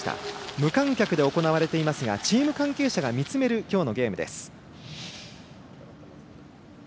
無観客で行われていますがチーム関係者が見つめるきょうのゲームです。